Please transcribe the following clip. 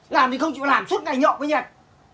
làm thì không chịu làm suốt ngày nhộn với nhật